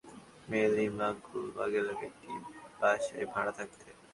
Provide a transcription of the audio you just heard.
বরিশাল বাকেরগঞ্জের বাবুল মিয়ার মেয়ে লিমা গুলবাগ এলাকার একটি বাসায় ভাড়া থাকতেন।